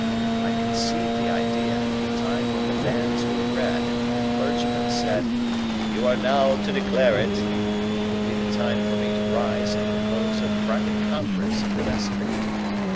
I conceived the idea that the time when the banns were read and when the clergyman said, "Ye are now to declare it!" would be the time for me to rise and propose a private conference in the vestry.